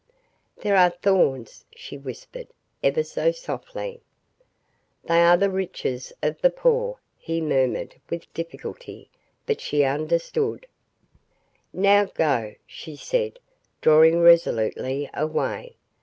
"There are thorns," she whispered, ever so softly. "They are the riches of the poor," he murmured with difficulty, but she understood. "Now, go," she said, drawing resolutely away.